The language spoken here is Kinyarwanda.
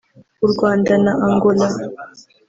u Rwanda na Angola